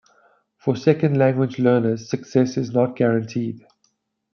For second language learners, success is not guaranteed.